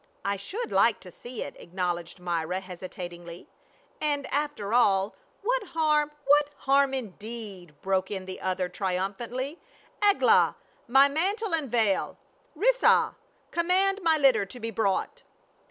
" I should like to see it," acknowledged Myra hesi tatingly. "And after all, what harm —" "What harm indeed?" broke in the other trium phantly. " Eglah, my mantle and veil ; Rissah, com mand my litter to be brought."